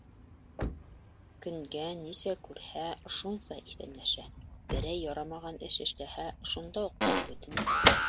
Көнгә нисә күрһә, шунса иҫәнләшә, берәй ярамаған эш эшләһә, шунда уҡ ғәфү үтенә.